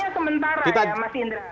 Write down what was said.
tapi ini sebetulnya sementara ya mas indra